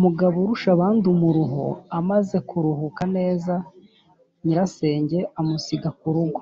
mugaburushabandumuruho amaze kuruhuka neza nyirasenge amusiga ku rugo